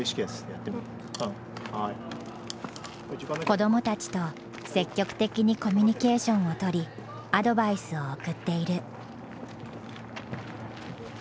子どもたちと積極的にコミュニケーションをとりアドバイスを送っている。